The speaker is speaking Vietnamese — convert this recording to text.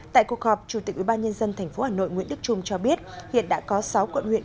tại cuộc họp chủ tịch ubnd tp hà nội nguyễn đức trung cho biết hiện đã có sáu quận huyện